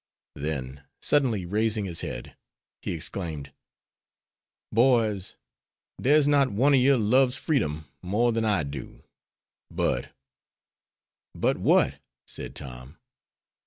Then suddenly raising his head, he exclaimed, "Boys, there's not one of you loves freedom more than I do, but " "But what?" said Tom.